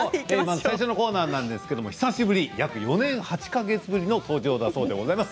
最初のコーナーですが、久しぶり約４年８か月ぶりの登場です。